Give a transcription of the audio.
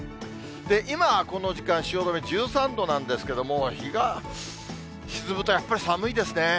今、この時間、汐留１３度なんですけれども、日が沈むとやっぱり寒いですね。